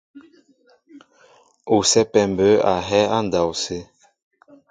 Ú sɛ́pɛ mbə̌ a hɛ́ á ndɔw sə́.